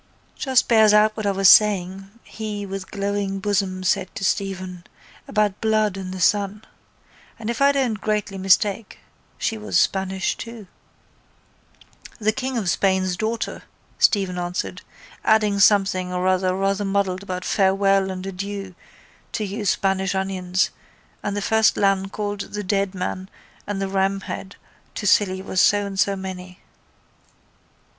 —Just bears out what I was saying, he, with glowing bosom said to Stephen, about blood and the sun. And, if I don't greatly mistake she was Spanish too. —The king of Spain's daughter, Stephen answered, adding something or other rather muddled about farewell and adieu to you Spanish onions and the first land called the Deadman and from Ramhead to Scilly was so and so many.